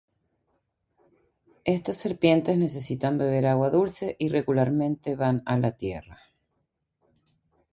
Estas serpientes necesitan beber agua dulce y regularmente van a la tierra.